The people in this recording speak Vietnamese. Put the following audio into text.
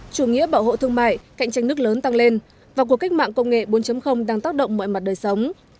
chủ nghĩa bảo hộ thương mại cạnh tranh nước lớn tăng lên và cuộc cách mạng công nghệ bốn đang tác động mọi mặt đời sống